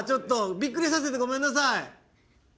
びっくりさせてごめんなさい。